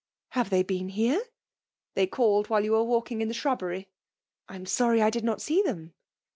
Have tliey been h^^e ?"*' They called while you were waDdng in the tlimbbery." I am sorry I did not see them."